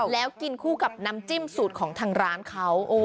แล้วกินคู่กับน้ำจิ้มสูตรของทางร้านเขา